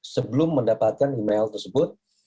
sebelum mendapatkan email tersebut